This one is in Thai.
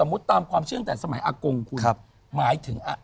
ปู่ฉันสั่งไว้ก่อนตาย